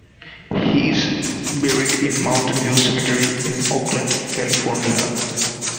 He is buried in Mountain View Cemetery in Oakland, California.